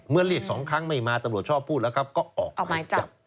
เรียก๒ครั้งไม่มาตำรวจชอบพูดแล้วครับก็ออกหมายจับ